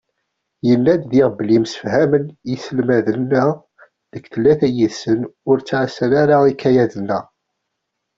Yenna-d diɣ belli msefhamen yiselmaden-a deg tlata yid-sen ur ttɛassan ara ikayaden-a.